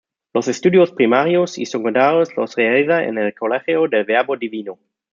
Los estudios primarios y secundarios los realiza en el Colegio del Verbo Divino.